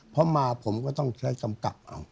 พอมาผมก็ต้องใช้กำกับ